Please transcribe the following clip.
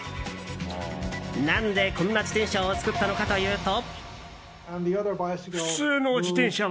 何で、こんな自転車を作ったのかというと。